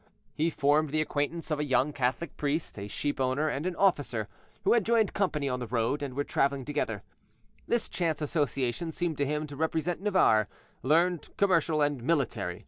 He formed the acquaintance of a young Catholic priest, a sheep owner, and an officer, who had joined company on the road, and were traveling together. This chance association seemed to him to represent Navarre, learned, commercial, and military.